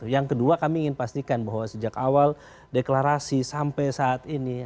yang kedua kami ingin pastikan bahwa sejak awal deklarasi sampai saat ini